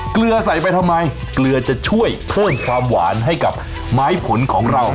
เกลือใส่ไปทำไมเกลือจะช่วยเพิ่มความหวานให้กับไม้ผลของเรา